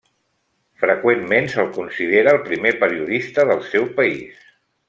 Freqüentment se'l considera el primer periodista del seu país.